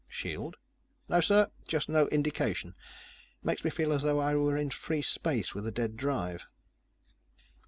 "Shield?" "No, sir. Just no indication. Makes me feel as though I were in free space with a dead drive."